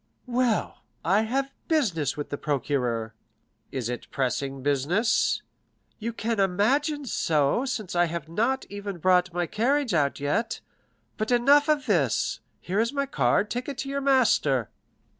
"Well, I have business with the procureur." "Is it pressing business?" "You can imagine so, since I have not even brought my carriage out yet. But enough of this—here is my card, take it to your master."